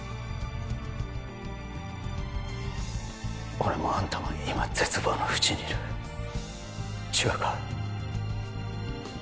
俺もあんたも今絶望のふちにいる違うか？